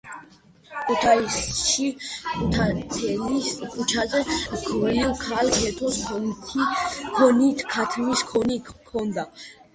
ქუთაისში ქუთათელის ქუჩაზე ,ქვრივ ქალ ქეთოს ქოთნით ქათმის ქონი ქონდა